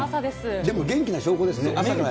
でも元気な証拠ですね。